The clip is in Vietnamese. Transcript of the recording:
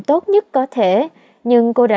tốt nhất có thể nhưng cô đã